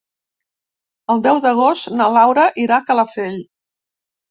El deu d'agost na Laura irà a Calafell.